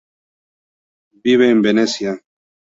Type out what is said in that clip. Vive en Venecia.